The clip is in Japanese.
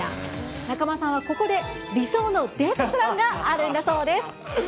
中間さんはここで理想のデートプランがあるんだそうです。